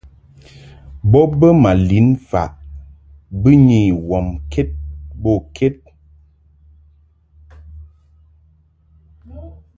Bo bə ma lin faʼ bɨnyi womked bo ked.